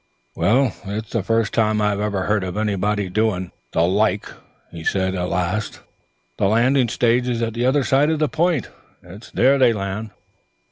"It's the first time I ever h'ard of onybody doin' the like," he said at last. "The landin' stage is awa' at the ether side o' the p'int; it's aye there they land.